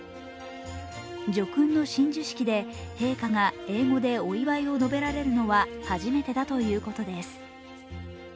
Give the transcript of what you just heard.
叙勲の親授式で陛下が英語でお祝いを述べられるのは初めだということです。